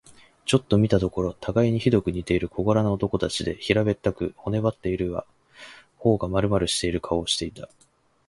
ちょっと見たところ、たがいにひどく似ている小柄な男たちで、平べったく、骨ばってはいるが、頬がまるまるしている顔をしていた。